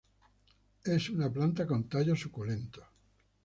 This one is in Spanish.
Es una planta con tallos suculentos.